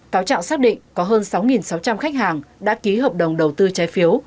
cáo trạng xác định có hơn sáu sáu trăm linh khách hàng đã ký hợp đồng đầu tư trái phiếu